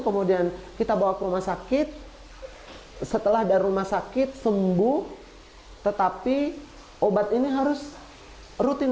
kemudian kita bawa ke rumah sakit setelah dari rumah sakit sembuh tetapi obat ini harus rutin